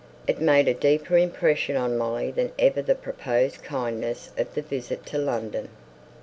It made a deeper impression on Molly than even the proposed kindness of the visit to London.